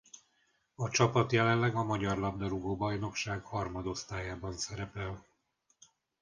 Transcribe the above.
A csapat jelenleg a magyar labdarúgó-bajnokság harmadosztályában szerepel.